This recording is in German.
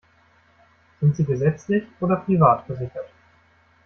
Sind Sie gesetzlich oder privat versichert?